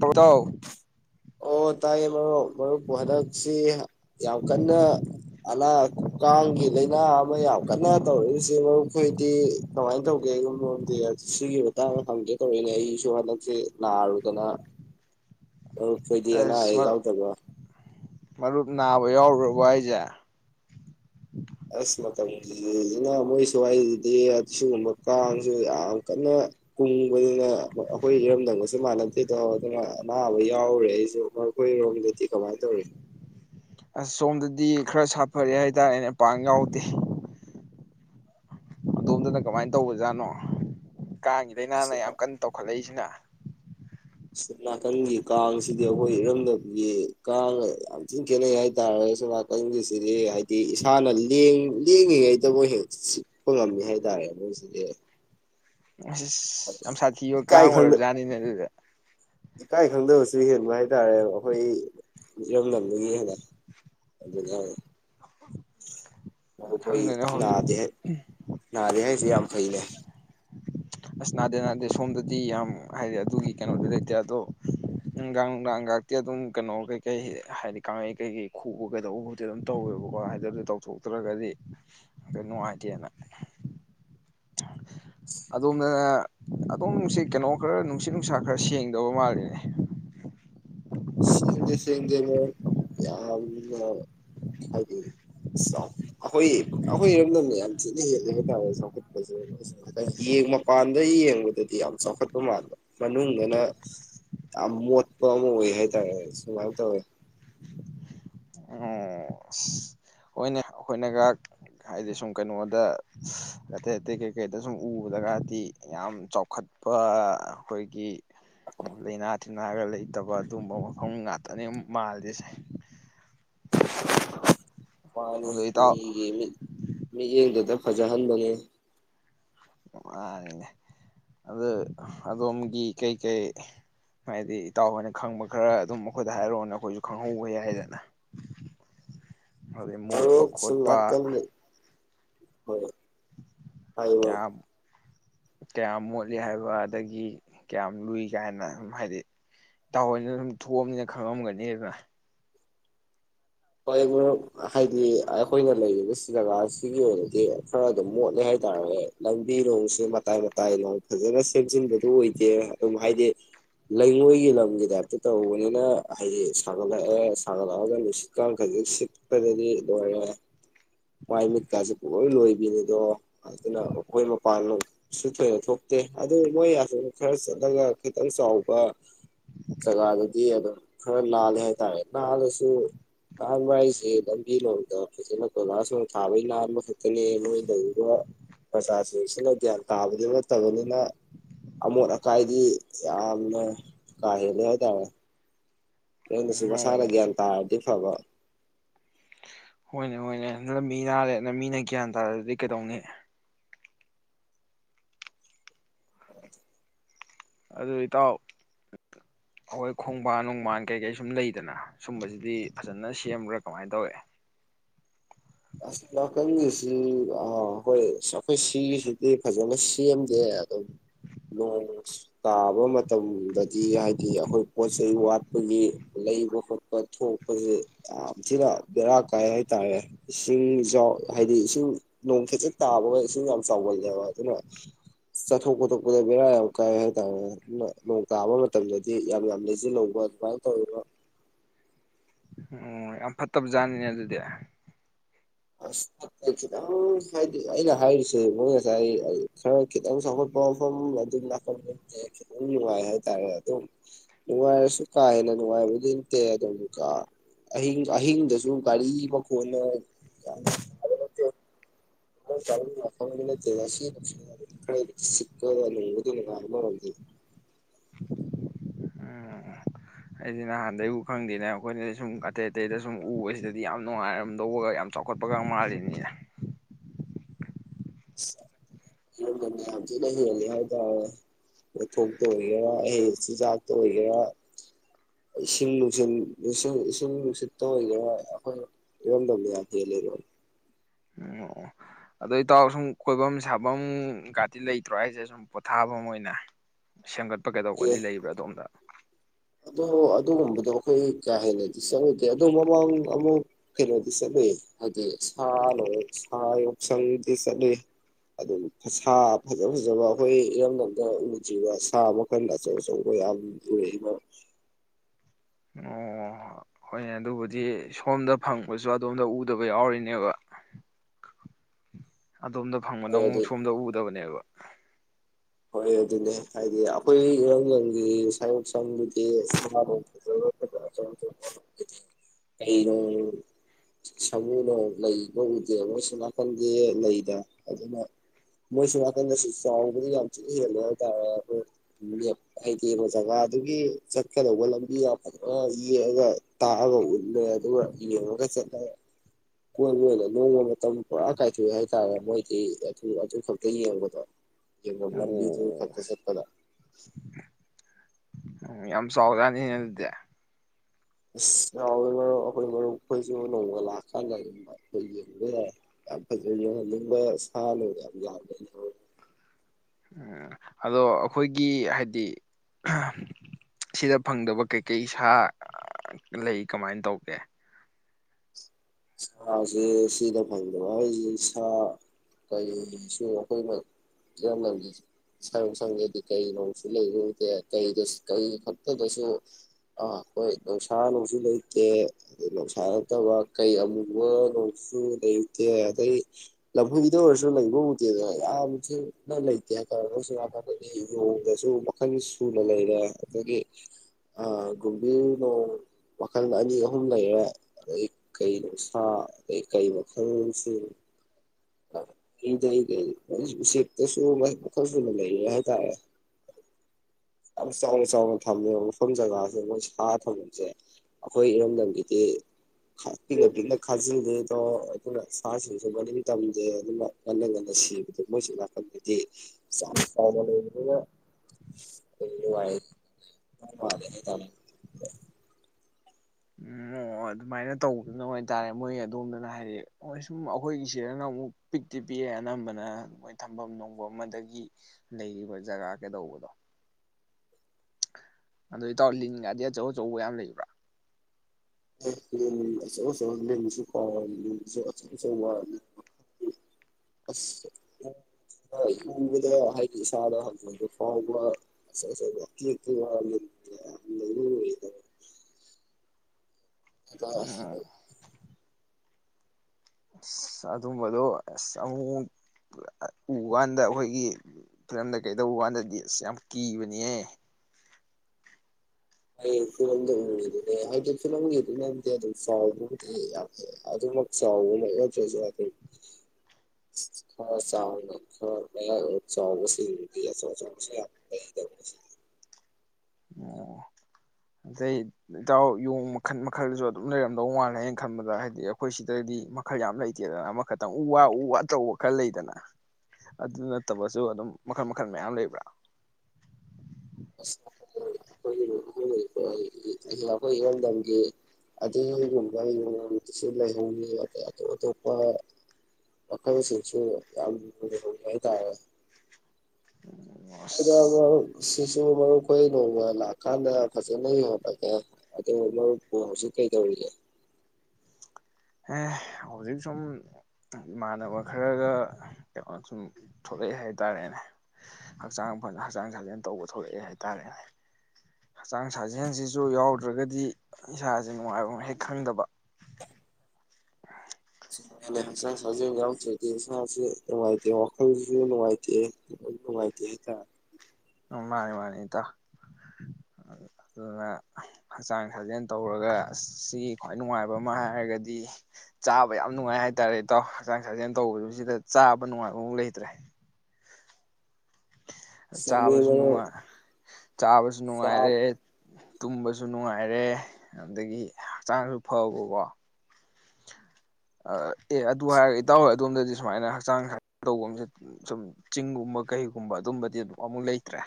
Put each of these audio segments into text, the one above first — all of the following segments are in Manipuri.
ꯄꯗꯎ ꯑꯣ ꯇꯥꯏꯌꯦ ꯃꯔꯨꯞ ꯃꯔꯨꯞꯄꯨ ꯍꯟꯗꯛꯁꯤ ꯌꯥꯝ ꯀꯟꯅ ꯑꯅꯥ ꯀꯥꯡꯒꯤ ꯂꯥꯏꯅꯥ ꯑꯃ ꯌꯥꯝ ꯀꯟꯅ ꯇꯧꯔꯛꯏꯁꯤꯦ ꯃꯔꯨꯞꯈꯣꯏꯗꯤ ꯀꯃꯥꯏꯅ ꯇꯧꯒꯦ ꯑꯩꯨꯝ ꯂꯣꯝꯗꯤ ꯁꯤꯒꯤ ꯃꯇꯥꯡꯗ ꯍꯪꯒꯦ ꯇꯧꯔꯛꯏꯅꯦ ꯑꯩꯁꯨ ꯍꯟꯗꯛꯁꯤ ꯅꯥꯔꯨꯗꯅ ꯑ ꯑꯁ ꯐꯣꯏꯗꯤꯌꯥꯅꯥꯒꯥꯎꯗꯕ ꯃꯔꯨꯞ ꯅꯥꯕ ꯌꯥꯎꯔꯨꯔꯕ ꯍꯥꯏꯁꯦ ꯑꯁ ꯃꯇꯝꯅ ꯃꯣꯏꯁꯨ꯭ꯋꯥꯏꯗꯨꯗꯤ ꯑꯁꯤꯒꯨꯝꯕ ꯀꯥꯡꯁꯨ ꯌꯥꯝ ꯀꯟꯅ ꯀꯨꯡꯕꯅꯤꯅ ꯑꯩꯈꯣꯏ ꯏꯔꯝꯗꯝꯒꯁꯨ ꯃꯥꯟꯅꯗꯦꯗꯣ ꯑꯗꯨꯅ ꯑꯅꯥꯕ ꯌꯥꯎꯔꯨꯔꯦ ꯑꯩꯁꯨ ꯃꯈꯣꯏꯔꯣꯝꯗꯗꯤ ꯀꯃꯥꯏꯅ ꯇꯧꯔꯤ ꯑꯁ ꯁꯣꯝꯗꯗꯤ ꯈꯔ ꯁꯥꯐꯔꯦ ꯍꯥꯏꯇꯥꯔꯦ ꯑꯩꯅ ꯄ ꯌꯥꯎꯗꯦ ꯑꯗꯣꯝꯗꯅ ꯀꯃꯥꯏꯅ ꯇꯧꯕꯖꯥꯠꯅꯣ ꯀꯥꯒꯤ ꯂꯅꯥꯅ ꯌꯥꯝ ꯀꯟꯅ ꯇꯧꯈꯠꯂꯛꯏꯦ ꯗ ꯁꯝ ꯅꯥꯀꯟꯒꯤ ꯀꯥꯡꯁꯤꯗꯤ ꯑꯩꯈꯣꯏ ꯏꯔꯝꯗꯝꯒꯤ ꯀꯥꯡꯒ ꯌꯥꯝ ꯊꯤꯅ ꯈꯦꯠꯅꯩ ꯍꯥꯏ ꯇꯔꯦ ꯁꯝ ꯅꯥꯀꯟꯒꯤꯁꯤꯗꯤ ꯍꯥꯏꯗꯤ ꯏꯁꯥꯅ ꯂꯦꯡꯉꯤꯉꯩꯗꯕꯨꯣꯏ ꯍꯦꯛ ꯆꯤꯛꯄ ꯉꯝꯃꯤ ꯍꯥꯏ ꯇꯔꯦ ꯃꯣꯏꯁꯤꯗꯤ ꯑꯁꯁ ꯌꯥꯝ ꯁꯥꯊꯤ ꯑꯣꯏꯣ ꯏꯀꯥꯏ ꯀꯥꯡ ꯈꯪꯗ ꯑꯣꯏꯔꯕꯖꯥꯠꯅꯤꯅꯦ ꯑꯗꯨꯗ ꯏꯀꯥꯏ ꯈꯪꯗꯕꯁꯨ ꯍꯦꯟꯕ ꯍꯥꯏꯇꯥꯔꯦ ꯑꯩꯈꯣꯏ ꯏꯔꯝꯗꯝꯒꯤ ꯍꯦꯟꯅ ꯑꯗꯨꯅ ꯈꯣꯏ ꯈꯪꯗꯦꯅꯦ ꯍꯧꯖꯤꯛ ꯅꯥꯗꯦ ꯅꯥꯗꯦ ꯍꯥꯏꯁꯦ ꯌꯥꯝ ꯐꯩꯅꯦ ꯑꯁ ꯅꯥꯗꯦ ꯅꯥꯗꯦ ꯁꯣꯝꯗꯗꯤ ꯌꯥꯝ ꯍꯥꯏꯗꯤ ꯑꯗꯨꯒꯤ ꯀꯩꯅꯣꯗꯤ ꯂꯩꯇꯦ ꯑꯗꯣ ꯅꯨꯡꯗꯥꯡ ꯅꯨꯡꯗꯥꯡꯒꯥꯛꯇꯤ ꯑꯗꯨꯝ ꯀꯩꯅꯣ ꯀꯩꯀꯩ ꯍꯥꯏꯗꯤ ꯀꯥꯡꯈꯩ ꯀꯩꯀꯩ ꯈꯨꯕ ꯀꯩꯗꯧꯕꯕꯨꯕꯨꯗꯤ ꯑꯗꯨꯝ ꯇꯧꯋꯦꯕꯀꯣ ꯍꯥꯏꯗꯤ ꯑꯗꯨ ꯇꯧꯊꯣꯛꯇ꯭ꯔꯒꯗꯤ ꯑꯇ ꯅꯨꯡꯉꯥꯏꯇꯦꯅ ꯑꯗꯣꯝꯗꯅ ꯑꯗꯣꯝ ꯅꯨꯡꯁꯤ ꯀꯩꯅꯣ ꯈꯔ ꯅꯨꯡꯁꯤꯠ ꯅꯨꯡꯁꯥ ꯈꯔ ꯁꯦꯡꯗꯕ ꯃꯥꯜꯂꯤꯅꯦ ꯁꯦꯡꯁꯦ ꯁꯦꯡꯁꯦꯅꯦ ꯌꯥꯝꯅ ꯍꯥꯏꯗꯤ ꯑꯩꯈꯣꯏ ꯑꯩꯈꯣꯏ ꯏꯔꯝꯗꯝꯗ ꯌꯥꯝ ꯊꯤꯅ ꯍꯦꯜꯂꯦ ꯍꯥꯏꯇꯥꯥꯔꯦ ꯆꯥꯎꯈꯠꯄꯁꯦ ꯃꯄꯥꯟꯗ ꯌꯦꯡꯕꯗꯗꯤ ꯌꯥꯝ ꯆꯥꯎꯈꯠꯄ ꯃꯥꯟꯕ ꯃꯅꯨꯡꯗꯅ ꯌꯥꯝ ꯃꯣꯠꯄ ꯑꯃ ꯑꯣꯏ ꯍꯥꯏ ꯁꯃꯥꯏ ꯇꯧꯋ ꯑꯣ ꯍꯣꯏꯅꯦ ꯑꯩꯈꯣꯏꯅꯒ ꯍꯥꯏꯗꯤ ꯁꯨꯝ ꯀꯩꯅꯣꯗ ꯑꯇꯩ ꯑꯇꯩ ꯀꯩꯀꯩꯗ ꯁꯨꯝ ꯎꯕꯗꯒꯗꯤ ꯌꯥꯝ ꯆꯥꯎꯈꯠꯄ ꯑꯩꯈꯣꯏꯒꯤ ꯂꯩꯅꯥ ꯇꯤꯟꯅꯥꯒ ꯂꯩꯇꯕ ꯑꯗꯨꯒꯕ ꯃꯐꯝ ꯉꯥꯛꯇꯅꯦ ꯃꯥꯜꯂꯤꯁꯦ ꯄꯅꯤ ꯑꯗꯣ ꯏꯇꯥꯎ ꯃꯤ ꯃꯤ ꯃꯤ ꯌꯦꯗ ꯐꯖꯍꯟꯕꯅꯦ ꯅꯦ ꯑꯗꯨ ꯑꯗꯣꯝꯒꯤ ꯀꯩꯀꯩ ꯍꯥꯏꯗꯤ ꯏꯇꯥꯎꯈꯣꯏꯅ ꯈꯪꯕ ꯈꯔ ꯑꯗꯨꯝ ꯑꯩꯈꯣꯏꯗ ꯍꯥꯏꯔꯛꯑꯣꯅꯦ ꯑꯩꯈꯣꯏꯁꯨ ꯈꯪꯍꯧꯕ ꯌꯥꯏꯗꯅ ꯑꯗꯨꯩ ꯃꯣꯠ ꯃꯔꯨꯞꯁꯨ ꯂꯥꯛꯀꯜꯂꯤ ꯍꯣꯏ ꯍꯥꯏꯌꯨ ꯃꯔꯨꯞ ꯀꯌꯥꯝ ꯀꯌꯥꯝ ꯃꯣꯠꯂꯤ ꯍꯥꯏꯕ ꯑꯗꯒꯤ ꯀꯌꯥꯝ ꯂꯨꯏ ꯀꯥꯏꯅ ꯍꯥꯏꯗꯤ ꯏꯇꯥꯎ ꯍꯣꯏꯅ ꯁꯨꯝ ꯊꯣꯛꯑꯝꯅꯤꯅ ꯈꯪꯉꯝꯒꯅꯤꯕ ꯍꯣꯏ ꯃꯔꯨꯞ ꯍꯥꯏꯗꯤ ꯑꯩꯈꯣꯏꯅ ꯂꯩꯔꯤꯕ ꯖꯒꯥꯁꯤꯒꯤ ꯑꯣꯏꯅꯗꯤ ꯈꯔ ꯑꯗꯨꯝ ꯃꯣꯠꯂꯦ ꯍꯥꯏꯇꯥꯔꯦ ꯂꯝꯕꯤ ꯅꯣꯡꯁꯨ ꯃꯇꯥꯏ ꯃꯇꯥꯏ ꯅꯣꯡ ꯐꯖꯅ ꯁꯦꯝꯖꯤꯟꯕ ꯑꯗꯨ ꯑꯣꯏꯗꯦ ꯑꯗꯨꯝ ꯍꯥꯏꯗꯤ ꯂꯩꯉꯣꯏꯒꯤ ꯂꯝꯒꯤ ꯇꯥꯏꯞꯇ ꯇꯧꯕꯅꯤꯅ ꯍꯥꯏꯗꯤ ꯁꯥꯒꯠꯂꯛꯑꯦ ꯁꯥꯒꯠꯂꯛꯑꯒ ꯂꯁꯤ [unintelligible] ꯈꯖꯤꯛ ꯁꯤꯠꯄꯗꯗꯤ ꯂꯣꯏꯔꯦ ꯃꯥꯏ ꯃꯤꯠꯀꯥꯁꯦ ꯄꯨꯂꯣꯏ ꯂꯣꯏꯕꯤꯅꯤꯗꯣ ꯑꯗꯨꯅ ꯑꯩꯈꯣꯏ ꯃꯄꯥꯟꯂꯣꯝꯁꯨ ꯊꯣꯏꯅ ꯊꯣꯛꯇꯦ ꯑꯗꯨ ꯃꯣꯏ ꯑꯁꯨꯝ ꯈꯔ ꯆꯠꯂꯒ ꯈꯤꯇꯪ ꯆꯥꯎꯕ ꯖꯒꯥꯗꯗꯤ ꯑꯗꯨꯝ ꯈꯔ ꯂꯥꯜꯂꯦ ꯍꯥꯏꯇꯥꯔꯦ ꯂꯥꯜꯂꯁꯨ ꯅꯥꯟꯕ ꯍꯥꯏꯁꯦ ꯂꯝꯕꯤ ꯂꯣꯡꯗ ꯐꯖꯅ ꯀꯣꯏꯂꯥꯁ ꯊꯥꯕꯩ ꯅꯥꯟꯕ ꯈꯛꯇꯅꯦ ꯃꯣꯏ ꯂꯩꯔꯤꯕ ꯄ꯭ꯔꯖꯥꯁꯤꯡꯁꯤꯅ ꯒ꯭ꯌꯥꯟ ꯇꯥꯕꯗꯤ ꯅꯠꯇꯕꯅꯤꯅ ꯑꯃꯣꯠ ꯑꯀꯥꯏꯗꯤ ꯌꯥꯝꯅ ꯀꯥ ꯍꯦꯜꯂꯦ ꯍꯥꯏ ꯇꯥꯔꯦ ꯃꯣꯏꯅꯁꯨ ꯃꯁꯥꯅ ꯑꯣ ꯒ꯭ꯌꯥꯟ ꯇꯥꯔꯗꯤ ꯐꯕ ꯍꯣꯏꯅꯦ ꯍꯣꯏꯅꯦ ꯂꯝꯕꯤ ꯅꯥꯜꯂꯦꯅ ꯃꯤꯅ ꯒ꯭ꯌꯥꯟ ꯇꯥꯗꯔ꯭ꯗꯤ ꯀꯩꯗꯧꯅꯤ ꯑꯗꯨ ꯏꯇꯥꯎ ꯑꯩꯈꯣꯏ ꯈꯣꯡꯕꯥꯟ ꯅꯨꯡꯕꯥꯟ ꯀꯩꯀꯩ ꯁꯨꯝ ꯂꯩꯗꯅ ꯁꯨꯝꯕꯁꯤꯗꯤ ꯐꯖꯅ ꯁꯦꯝꯕ꯭ꯔꯥ ꯀꯃꯥꯏꯅ ꯇꯧꯋꯦ ꯁꯤ ꯑ ꯍꯣꯏ ꯑꯩꯈꯣꯏ ꯁꯤꯒꯤꯁꯤꯗꯤ ꯐꯖꯅ ꯁꯦꯝꯗꯦ ꯑꯗꯨꯝ ꯅꯣꯡ ꯇꯥꯕ ꯃꯇꯝꯗꯗꯤ ꯍꯥꯏꯗꯤ ꯑꯩꯈꯣꯏ ꯄꯣꯠ ꯆꯩꯩ ꯋꯥꯠꯄꯒꯤ ꯂꯩꯕ ꯈꯣꯠꯄ ꯊꯣꯛꯄꯁꯦ ꯌꯥꯝ ꯊꯤꯅ ꯕꯦꯔꯥ ꯀꯥꯏ ꯍꯥꯏꯇꯥꯔꯦ ꯏꯁꯤꯡ ꯏꯆꯥꯎ ꯍꯥꯏꯗꯤ ꯏꯁꯤꯡ ꯅꯣꯡ ꯈꯤꯖꯤꯛ ꯇꯥꯕꯒ ꯏꯁꯤꯡ ꯌꯥꯝ ꯆꯥꯎꯒꯜꯂꯦꯕ ꯑꯗꯨꯅ ꯆꯠꯊꯣꯛ ꯈꯣꯊꯣꯛꯄꯗ ꯕꯦꯔꯥ ꯌꯥꯝ ꯀꯥꯏ ꯍꯥꯏꯇꯥꯔꯦ ꯑꯗꯨꯅ ꯅꯣꯡ ꯇꯥꯕ ꯃꯇꯝꯗꯗꯤ ꯌꯥꯝ ꯌꯥꯝ ꯂꯩꯁꯤꯟꯍꯧꯕ ꯑꯗꯨꯃꯥꯏ ꯇꯧꯋꯦ ꯃꯔꯨꯞ ꯑꯣ ꯌꯥꯝ ꯐꯠꯇꯕ ꯖꯥꯠꯅꯤꯅꯦ ꯑꯗꯨꯗꯤ ꯑꯁ ꯑꯩ ꯈꯤꯇꯪ ꯍꯥꯏꯗꯤ ꯑꯩꯅ ꯍꯥꯏꯔꯤꯁꯦ ꯃꯣꯏ ꯉꯁꯥꯏ ꯈꯔ ꯈꯤꯇꯪ ꯆꯥꯎꯈꯠꯄ ꯃꯐꯝ ꯑꯗꯨ ꯅꯀꯟꯗ [unintelligible] ꯈꯤꯇꯪ ꯅꯨꯡꯉꯥꯏ ꯍꯥꯏꯇꯥꯔꯦ ꯑꯗꯨꯝ ꯅꯨꯡꯉꯥꯏꯔꯁꯨ ꯀꯥ ꯍꯦꯟꯅ ꯅꯨꯡꯉꯥꯏꯕꯗꯤ ꯅꯠꯇꯦ ꯑꯗꯨꯝ ꯑꯍꯤꯡ ꯑꯍꯤꯡꯗꯁꯨ ꯒꯥꯔꯤ ꯃꯈꯣꯟꯅ ꯌꯥꯝꯅ ꯑꯗ ꯅꯠꯇꯦ [unintelligible] ꯃꯋꯣꯡ ꯇꯥꯕ ꯂꯝ ꯐꯧ ꯅꯠꯇꯦꯗ ꯁꯤ ꯈꯔ ꯁꯤ ꯈꯔ ꯅꯨꯡꯕꯨꯗꯤ ꯅꯨꯡꯉꯥꯏ ꯑꯃꯔꯣꯝꯗꯗꯤ ꯎꯝ ꯑꯩꯗꯤ ꯅꯍꯥꯟꯗꯩꯕꯨ ꯈꯪꯗꯦꯅꯦ ꯑꯩꯈꯣꯏꯅꯗꯤ ꯁꯨꯝ ꯑꯇꯩ ꯑꯇꯩꯗ ꯁꯨꯝ ꯎꯕꯁꯤꯗꯗꯤ ꯌꯥꯝ ꯅꯨꯡꯉꯥꯏꯔꯝꯗꯧꯕꯒ ꯌꯥꯝ ꯆꯥꯎꯈꯠꯄꯒ ꯃꯥꯜꯂꯤꯅꯤꯅꯦ ꯁ ꯏꯔꯝꯗꯝꯅ ꯌꯥꯝ ꯊꯤꯅ ꯍꯦꯜꯂꯦ ꯍꯥꯏꯇꯥꯔꯦ ꯄꯣꯠꯊꯣꯛꯇ ꯑꯣꯏꯒꯦꯔꯥ ꯍꯦ ꯆꯤꯟꯖꯥꯛꯇ ꯑꯣꯏꯒꯦꯔꯥ ꯏꯁꯤꯡ ꯅꯨꯡꯁꯤꯠ ꯏꯁꯤꯡ ꯅꯨꯡꯁꯤꯠꯇ ꯑꯣꯏꯒꯦꯔꯥ ꯑꯩꯈꯣꯏ ꯏꯔꯝꯗꯝꯅ ꯌꯥꯝ ꯍꯦꯜꯂꯦꯕ ꯎꯝ ꯑꯗꯣ ꯏꯇꯥꯎ ꯁꯨꯝ ꯀꯣꯏꯕꯝ ꯁꯥꯐꯝ ꯒꯥꯇꯤ ꯂꯩꯇ꯭ꯔꯣ ꯍꯥꯏꯁꯦ ꯁꯨꯝ ꯄꯣꯊꯥꯐꯝ ꯑꯣꯏꯅ ꯁꯦꯝꯒꯠꯄ ꯑꯦ ꯀꯩꯗꯧꯕꯗꯤ ꯂꯩꯕ꯭ꯔꯥ ꯑꯗꯣꯝꯗ ꯑꯗꯣ ꯑꯗꯨꯒꯨꯝꯕꯗꯣ ꯑꯩꯈꯣꯏ ꯀꯥ ꯍꯦꯟꯅꯗꯤ ꯆꯠꯂꯨꯗꯦ ꯑꯗꯣ ꯃꯃꯥꯡ ꯑꯃꯨꯛ ꯀꯩꯅꯣꯗꯤ ꯆꯠꯂꯨꯏ ꯍꯥꯏꯗꯤ ꯁꯥ ꯂꯧ ꯁꯥꯌꯣꯛꯁꯪꯗꯗꯤ ꯆꯠꯂꯨꯏ ꯑꯗꯨ ꯁꯥ ꯐꯖ ꯐꯖꯕ ꯑꯩꯈꯣꯏ ꯏꯔꯝꯗꯝꯗ ꯎꯗ꯭ꯔꯤꯕ ꯁꯥ ꯃꯈꯜꯗ ꯑꯆꯧ ꯑꯆꯧꯕ ꯌꯥꯝ ꯎꯔꯛꯏꯕ ꯑꯣ ꯍꯣꯏꯅꯦ ꯑꯗꯨꯕꯨꯗꯤ ꯁꯣꯝꯗ ꯐꯪꯕꯁꯨ ꯑꯗꯣꯝꯗ ꯎꯗꯕ ꯌꯥꯎꯔꯤꯅꯦꯕ ꯑꯗꯣꯝꯗ ꯐꯪꯕꯅ ꯍꯣꯏ ꯑꯃꯨꯛ ꯑꯗꯨ ꯁꯣꯝꯗ ꯎꯗꯕꯅꯦꯕ ꯍꯣꯏ ꯑꯗꯨꯅꯦ ꯍꯥꯏꯗꯤ ꯑꯩꯈꯣꯏ ꯏꯔꯝꯗꯝꯒꯤ ꯁꯥꯏꯌꯣꯛ ꯁꯪꯕꯨꯗꯤ ꯁꯥ ꯅꯨꯡ ꯐꯖꯕ [unintelligible] ꯀꯩ ꯅꯨꯡ ꯁꯥꯃꯨ ꯅꯨꯡ ꯂꯩꯕ ꯎꯗꯦ ꯃꯣꯏꯁꯨ ꯅꯥꯀꯟꯗꯤ ꯂꯩꯗ ꯑꯗꯨꯅ ꯃꯣꯏꯁꯨ ꯅꯥꯀꯟꯗꯁꯨ ꯆꯥꯎꯕꯗꯤ ꯌꯥꯝ ꯊꯤ ꯍꯦꯜꯂꯦ ꯍꯥꯏꯇꯥꯔꯦ ꯑꯩꯈꯣꯏ ꯂꯦꯞ ꯍꯥꯏꯗꯤ ꯖꯒꯥꯗꯨꯒꯤ ꯆꯠꯀꯗꯧꯕ ꯂꯝꯕꯤꯒ ꯐꯖꯅ ꯌꯦꯛꯑꯒ ꯇꯥꯛꯑꯒ ꯎꯠꯂꯦ ꯑꯗꯨꯒ ꯌꯦꯡꯉꯒ ꯆꯠꯂꯦ ꯀꯣꯏꯕ ꯑꯣꯏꯅ ꯅꯣꯡꯃ ꯃꯇꯝ ꯄꯨꯔꯥ ꯀꯥꯏꯊꯣꯛꯑꯦ ꯍꯥꯏꯇꯥꯔꯦ ꯃꯣꯏꯗꯤ ꯑꯗꯨ ꯑꯗꯨ ꯈꯛꯇ ꯌꯦꯡꯕꯗ ꯌꯦꯡꯐꯝ ꯂꯝꯕꯤꯗꯨ ꯑꯣ ꯈꯛꯇ ꯆꯠꯄꯗ ꯎꯝ ꯌꯥꯝ ꯆꯥꯎ ꯖꯥꯠꯅꯤꯅꯦ ꯑꯗꯨꯗꯤ ꯏꯁ ꯆꯥꯎꯋꯦ ꯃꯔꯨꯞ ꯑꯩꯈꯣꯏ ꯃꯔꯨꯞ ꯑꯩꯈꯣꯏꯁꯨ ꯅꯣꯡꯃ ꯂꯥꯛꯑꯀꯥꯟꯗ ꯌꯦꯡꯕ ꯌꯦꯡꯅꯤꯡꯕ ꯌꯥꯝ ꯐꯖꯩ ꯌꯦꯡꯍꯟꯅꯤꯡꯕ ꯁꯥ ꯅꯨꯡ ꯌꯥꯝ ꯌꯥꯝꯅ ꯂꯩꯍꯧꯋꯦ [unintelligible] ꯑ ꯑꯗꯣ ꯑꯩꯈꯣꯏꯒꯤ ꯍꯥꯏꯗꯤ ꯑꯍꯝ ꯁꯤꯗ ꯐꯪꯗꯕ ꯀꯩꯀꯩ ꯁꯥ ꯂꯩ ꯀꯃꯥꯏꯅ ꯇꯧꯒꯦ ꯁꯥꯖꯦ ꯁꯤꯗ ꯐꯪꯗꯕ ꯍꯥꯏꯔꯤꯁꯤ ꯁꯥ ꯀꯩ ꯁꯨ ꯑꯩꯈꯣꯏꯅ ꯏꯔꯝꯗꯝꯒꯤ ꯁꯥꯌꯣꯛꯁꯪꯗꯗꯤ ꯀꯩꯩꯅꯨꯡꯁꯤ ꯂꯩꯕ ꯎꯗꯦ ꯀꯩꯗꯣ ꯁ ꯀꯩ ꯈꯛꯇꯗꯁꯨ ꯑ ꯑꯩꯈꯣꯏ ꯅꯨꯡꯁꯥ ꯅꯨꯡꯁꯨ ꯂꯩꯇꯦ ꯅꯣꯡꯁꯥ ꯅꯠꯇꯕ ꯀꯩ ꯑꯃꯨ ꯕ ꯅꯣꯡꯁꯨ ꯂꯩ ꯎꯗꯦ ꯑꯗꯩ ꯂꯝꯐꯒꯤꯗ ꯑꯣꯏꯔꯁꯨ ꯂꯩꯕ ꯎꯗꯦꯗꯅ ꯌꯥꯝ ꯊꯤꯅ ꯂꯩꯇꯦ ꯍꯥꯏꯇꯥꯔꯦ ꯃꯣꯏꯁꯣꯝ ꯅꯥꯀꯟꯗꯗꯤ ꯌꯣꯡꯗꯁꯨ ꯃꯈꯜ ꯁꯨꯅ ꯂꯩꯔꯦ ꯑꯗꯒꯤ ꯑ ꯒꯨꯝꯕꯤꯔ ꯅꯣꯡ ꯃꯈꯜ ꯑꯅꯤ ꯑꯍꯨꯝ ꯂꯩꯔꯦ ꯑꯗꯩ ꯀꯩꯅꯣ ꯍꯥꯥ ꯀꯩ ꯀꯩ ꯃꯈꯜꯁꯨ ꯑ ꯏ ꯗꯩ ꯗꯏ [unintelligible] ꯎ ꯎꯆꯦꯛꯇꯁꯨ ꯃꯥꯒꯤ ꯃꯈꯜ ꯁꯨꯅ ꯂꯩꯔꯤ ꯍꯥꯏꯇꯥꯔꯦ ꯌꯥꯝ ꯆꯥꯎꯅ ꯆꯥꯎꯅ ꯊꯝꯃꯦꯕ ꯃꯐꯝ ꯖꯒꯥꯁꯦ ꯃꯣꯏ ꯁꯥ ꯊꯝꯐꯝꯁꯦ ꯑꯩꯈꯣꯏ ꯏꯔꯝꯗꯝꯒꯤꯗꯤ ꯈꯥ ꯄꯤꯛꯅ ꯄꯤꯛꯅ ꯈꯥꯖꯤꯟꯂꯦꯗꯣ ꯑꯗꯨꯅ ꯁꯥꯁꯤꯡꯁꯨ ꯃꯅꯤꯡ ꯇꯝꯗꯦ ꯑꯗꯨꯅ ꯉꯟꯅ ꯉꯟꯅ ꯁꯤꯕꯗꯨ ꯃꯣꯏꯁꯤ ꯅꯥꯀꯟꯗꯗꯤ ꯆꯥꯎ ꯆꯥꯎꯅ ꯂꯩꯕꯅꯤꯅ ꯅꯉꯥꯏꯌꯦ [unintelligible] ꯃꯥꯜꯂꯦ ꯍꯥꯏꯇꯥꯔꯦ ꯎꯝ ꯑꯣ ꯑꯗꯨꯃꯥꯏꯅ ꯇꯧꯕꯗꯨꯅ ꯑꯣꯏ ꯇꯥꯔꯦ ꯃꯣꯏ ꯑꯗꯣꯝꯗꯅ ꯍꯥꯏꯗꯤ ꯍꯣꯏ ꯁꯨꯝ ꯑꯩꯈꯣꯏꯒꯤꯁꯤꯗꯅ ꯑꯃꯨꯛ ꯄꯤꯛꯇꯤ ꯄꯤꯛꯑꯦ ꯑꯅꯝꯕꯅ ꯃꯣꯏ ꯊꯝꯐꯝ ꯅꯨꯡꯕꯝ ꯑꯃꯗꯒꯤ ꯂꯩꯔꯤꯕ ꯖꯒꯥ ꯀꯩꯗꯧꯕꯗꯣ ꯑꯗꯣ ꯏꯇꯥꯎ ꯂꯤꯟꯒꯗꯤ ꯑꯆꯧ ꯑꯆꯧꯕ ꯌꯥꯝ ꯂꯩꯕ꯭ꯔꯥ ꯑꯦ ꯂꯤꯟ ꯑꯆꯧ ꯑꯆꯧꯕ ꯂꯤꯟꯖꯨ ꯄꯥꯎ [unintelligible] ꯑꯆꯧ ꯑꯆꯧꯕ ꯑꯁ ꯎꯕꯗ ꯍꯥꯏꯗꯤ ꯏꯁꯥꯗ ꯍꯪꯒꯣꯏꯕ ꯐꯥꯎꯕ ꯑꯆꯧ ꯑꯆꯧꯕ ꯑꯀꯤ ꯑꯀꯤꯕ ꯂꯤꯟ ꯀꯌꯥ ꯂꯩꯕ ꯎꯔꯦꯗ ꯎꯝ [unintelligible] ꯑꯁ ꯑꯗꯨꯝꯕꯗꯣ ꯑꯁ ꯑꯃꯨꯛ ꯃꯨꯛ ꯎꯕ ꯀꯥꯟꯗ ꯑꯩꯈꯣꯏꯒꯤ ꯐꯤꯂꯝꯗ ꯀꯩꯗ ꯎꯕ ꯀꯥꯟꯗꯗꯤ ꯑꯁ ꯌꯥꯝ ꯀꯤꯕꯅꯤꯌꯦ ꯍꯌꯦꯡ ꯐꯤꯂꯝꯗ ꯎꯕꯗꯨꯅꯦ ꯍꯥꯏꯗꯤ ꯐꯤꯂꯝꯒꯤꯗꯨꯅꯗꯤ ꯑꯗꯨꯝ ꯆꯥꯎꯕꯕꯨꯗꯤ ꯌꯥꯝ ꯍꯦꯜ ꯑꯗꯨꯃꯛ ꯆꯥꯎꯕ ꯅꯠꯇ꯭ꯔꯁꯨ ꯑꯗꯨꯝ ꯈꯔ ꯆꯥꯎꯅ ꯈꯔ ꯃꯌꯥꯏ ꯑꯣꯏꯔꯞ ꯆꯥꯎꯕꯁꯤꯡꯗꯤ ꯑꯆꯧ ꯑꯆꯧꯕ ꯑꯆꯧꯕꯁꯨ ꯌꯥꯝ ꯂꯩꯗ ꯑꯣ ꯑꯗꯩ ꯏꯇꯥꯎ ꯌꯣꯡ ꯃꯈꯜ ꯃꯈꯜꯁꯨ ꯑꯗꯨꯝ ꯂꯩꯔꯝꯗꯧ ꯃꯥꯜꯂꯦ ꯑꯩꯅ ꯈꯟꯕꯗ ꯍꯥꯏꯗꯤ ꯑꯩꯈꯣꯏ ꯁꯤꯗꯗꯤ ꯃꯈꯜ ꯌꯥꯝ ꯂꯩꯇꯦꯗꯅ ꯑꯃꯈꯛꯇꯪ ꯎ ꯋꯥ ꯎ ꯋꯥ ꯇꯧꯕ ꯈꯔ ꯂꯩꯗꯅ ꯑꯗꯨ ꯅꯠꯇꯕꯁꯨ ꯑꯗꯨꯝ ꯃꯈꯜ ꯃꯈꯜ ꯃꯌꯥꯝ ꯂꯩꯕ꯭ꯔꯥ ꯑꯁ ꯑꯈꯣꯏ ꯑꯈꯣꯏ ꯑꯩꯈꯣꯏꯒꯤ ꯑꯩꯈꯣꯏ ꯏꯔꯝꯗꯝꯒꯤ ꯑꯗꯨꯒꯨꯝꯕ ꯌꯣꯡꯗꯁꯨ ꯂꯩꯍꯧꯋꯤ ꯑꯗꯩ ꯑꯇꯣꯞ ꯑꯇꯣꯞꯄ ꯃꯈꯜꯁꯤꯡꯁꯨ ꯌꯥꯝ ꯂꯩꯍꯧꯋꯤ ꯍꯥꯏꯇꯥꯔꯦ ꯑꯗ ꯑꯁ ꯃꯔꯨꯞ ꯁꯤꯁꯨ ꯃꯔꯨꯞꯈꯣꯏ ꯅꯣꯡꯃ ꯂꯥꯛꯑꯀꯥꯟꯗ ꯐꯖꯅ ꯌꯦꯡꯍꯜꯂꯒꯦ ꯑꯗꯨꯗ ꯃꯔꯨꯞꯄꯨ ꯍꯧꯖꯤꯛ ꯀꯩꯗꯧꯔꯤꯒꯦ ꯑꯦ ꯍꯧꯖꯤꯛ ꯁꯨꯝ ꯏꯃꯥꯟꯅꯕ ꯈꯔꯒ ꯀꯩꯅꯣ ꯁꯨꯝ ꯊꯣꯛꯂꯛꯑꯦ ꯍꯥꯏ ꯇꯥꯔꯦꯅꯦ ꯍꯛꯆꯥꯡ ꯐꯅ ꯍꯛꯆꯥꯡ ꯁꯥꯖꯦꯜ ꯇꯧꯕ ꯊꯣꯛꯂꯛꯑꯦ ꯍꯥꯏ ꯇꯥꯔꯦꯅꯦ ꯍꯛꯆꯥꯡ ꯁꯥꯖꯦꯜꯁꯤꯁꯨ ꯌꯥꯎꯗ꯭ꯔꯒꯗꯤ ꯏꯁꯥꯁꯦ ꯅꯨꯡꯉꯥꯏꯕꯝ ꯍꯦꯛ ꯈꯪꯗꯕ ꯍ ꯅꯦ ꯍꯛꯆꯥꯡ ꯁꯥꯖꯦꯜ ꯌꯥꯎꯗ꯭ꯔꯗꯤ ꯏꯁꯥꯁꯦ ꯅꯨꯡꯉꯥꯏꯇꯦ ꯋꯥꯈꯜꯁꯨ ꯅꯨꯡꯉꯥꯏꯇꯦ ꯅꯨꯡꯉꯥꯏꯇꯦ ꯍꯥꯏꯇꯥꯔꯦ ꯎꯝ ꯃꯥꯅꯤ ꯃꯥꯅꯤ ꯏꯇꯥꯎ ꯑꯗꯨꯅ ꯍꯛꯆꯥꯡ ꯁꯥꯖꯦꯜ ꯇꯧꯔꯒ ꯁꯤꯒꯤ ꯈ꯭ꯋꯥꯏ ꯅꯨꯡꯉꯥꯏꯕ ꯑꯃ ꯍꯥꯏꯔꯒꯗꯤ ꯆꯥꯕ ꯌꯥꯝ ꯅꯨꯡꯉꯥꯏ ꯍꯥꯏꯇꯥꯔꯦ ꯏꯇꯥꯎ ꯍꯛꯆꯥꯡ ꯁꯥꯖꯦꯜ ꯇꯧꯕꯗꯨ ꯁꯤꯗ ꯆꯥꯕ ꯅꯨꯡꯉꯥꯏꯕꯃꯨꯛ ꯂꯩꯇ꯭ꯔꯦ ꯆꯨꯝꯃꯤ ꯆꯥꯕꯁꯨ ꯃꯔꯨꯞ ꯅꯨꯡꯉꯥꯏ ꯆꯥꯕꯁꯨ ꯆꯥꯛ ꯅꯨꯡꯉꯥꯏꯔꯦ ꯇꯨꯝꯕꯁꯨ ꯅꯨꯡꯉꯥꯏꯔꯦ ꯑꯗꯒꯤ ꯍꯛꯆꯥꯡꯁꯨ ꯐꯕꯀꯣ ꯑ ꯑꯦ ꯑꯗꯨ ꯍꯥꯏꯔꯒ ꯏꯇꯥꯎ ꯑꯗꯣꯝꯗꯗꯤ ꯁꯨꯃꯥꯏꯅ ꯍꯛꯆꯥꯡ ꯇꯧꯕꯝꯁꯦ ꯁꯨꯝ ꯆꯤꯡꯒꯨꯝꯕ ꯀꯩꯒꯨꯝꯕ ꯑꯗꯨꯝꯕꯗꯤ ꯑꯃꯨꯛ ꯂꯩꯇ꯭ꯔꯦ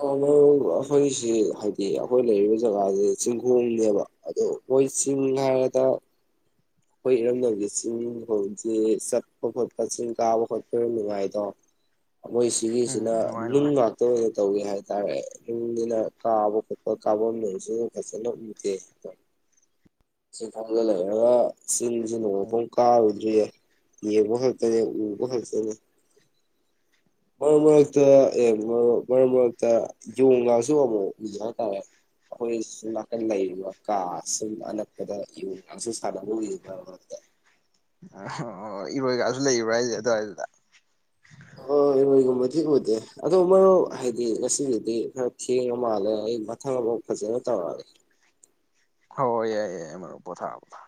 ꯍꯥꯂꯣ ꯑꯩꯈꯣꯏꯒꯤꯁꯤ ꯍꯥꯏꯗꯤ ꯑꯩꯈꯣꯏ ꯂꯩꯔꯤꯕ ꯖꯒꯥꯁꯤ ꯆꯤꯡꯈꯣꯡꯅꯦꯕ ꯑꯗꯣ ꯑꯩꯈꯣꯏ ꯆꯤꯡ ꯍꯥꯏꯔꯗ ꯑꯩꯈꯣꯏ ꯏꯔꯝꯗꯝꯒꯤ ꯆꯤꯡ ꯐꯁꯦ ꯆꯠꯄ ꯈꯣꯠꯄ ꯆꯤꯡ ꯀꯥꯕ ꯈꯣꯠꯄ ꯌꯥꯝ ꯅꯨꯡꯉꯥꯏꯗꯣ ꯃꯣꯏ ꯎꯝ ꯁꯤꯒꯤꯁꯤꯅ ꯅꯨꯡꯉꯥꯏ ꯅꯨꯡ ꯅꯨꯡꯉꯥꯏ ꯉꯥꯛꯇ ꯑꯣꯏꯅ ꯇꯧꯋꯤ ꯍꯥꯏꯦ ꯍꯥꯏꯇꯥꯔꯦ ꯅꯨꯡꯒꯤꯅ ꯀꯥꯕ ꯈꯣꯠꯄ ꯀꯥꯐꯝꯗꯁꯨ ꯑꯗꯨ ꯐꯖꯅ ꯎꯨꯠꯇꯦ ꯑ ꯁꯤꯐꯥꯎꯗ ꯂꯩꯔꯒ ꯁꯤꯁꯤꯅ ꯀꯥ ꯌꯦ ꯃꯍꯜꯇꯅꯦ ꯃꯜꯇꯅꯦ ꯃꯔꯛ ꯃꯔꯛꯇ ꯃꯔꯛ ꯃꯔꯛꯇ ꯌꯣꯡꯒꯁꯨ ꯑꯃꯨꯛ ꯎꯏ ꯍꯥꯏꯇꯥꯔꯦ ꯑꯩꯈꯣꯏ ꯁ ꯅꯥꯀꯟ ꯂꯩꯔꯤꯕ ꯀꯥ ꯁꯨꯝ ꯑꯅꯛꯄꯗ ꯌꯣꯡꯒꯁꯨ ꯁꯥꯟꯅꯕ ꯎꯏ ꯃꯔꯛ ꯃꯔꯛꯇ ꯑ ꯏꯔꯣꯏ ꯀꯁꯨ ꯂꯩꯕ꯭ꯔꯥ ꯍꯥꯏꯁꯦ ꯑꯗꯨꯋꯥꯏꯗꯨꯗ ꯍꯣꯏ ꯏꯔꯣꯏꯒꯨꯝꯕꯗꯤ ꯎꯗꯦ ꯑꯗꯣ ꯃꯔꯨꯞ ꯍꯥꯏꯗꯤ ꯉꯁꯤꯒꯤꯗꯤ ꯈꯔ ꯊꯦꯡꯉ ꯃꯥꯜꯂꯦ ꯑꯩ ꯃꯊꯪ ꯑꯃꯐꯥꯎ ꯐꯖꯅ ꯇꯧꯔꯛꯑꯒꯦ ꯍ ꯌꯥꯏ ꯌꯥꯏ ꯃꯃꯔ ꯄꯣꯊꯥ ꯊꯥ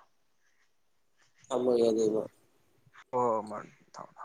ꯑꯃꯒ ꯑꯗꯨꯗ ꯍ ꯃꯔ ꯊꯅ